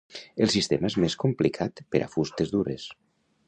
El sistema és més complicat per a fustes dures.